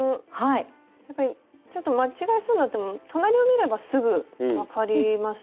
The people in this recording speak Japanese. やっぱりちょっと間違えそうになっても隣を見ればすぐ分かりますね。